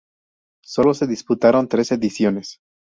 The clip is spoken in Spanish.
Solo se disputaron tres ediciones.